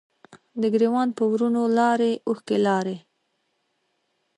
د ګریوان په ورونو لارې، اوښکې لارې